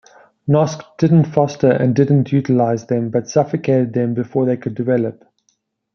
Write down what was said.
Noske didn't foster and didn't utilize them, but suffocated them before they could develop.